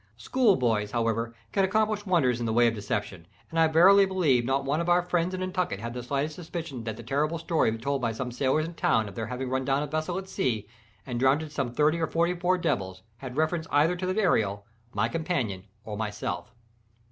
Schoolboys, however, can accomplish wonders in the way of deception, and I verily believe not one of our friends in Nantucket had the slightest suspicion that the terrible story told by some sailors in town of their having run down a vessel at sea and drowned some thirty or forty poor devils, had reference either to the Ariel, my companion, or myself.